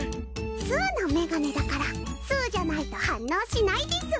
すうのメガネだからすうじゃないと反応しないです。